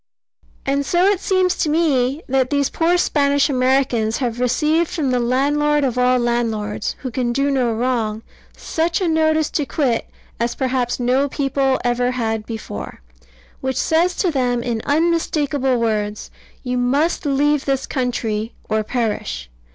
And so it seems to me that these poor Spanish Americans have received from the Landlord of all landlords, who can do no wrong, such a notice to quit as perhaps no people ever had before; which says to them in unmistakable words, "You must leave this country: or perish."